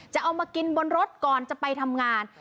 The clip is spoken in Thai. จะเอามากินบนรถก่อนจะไปทำงาน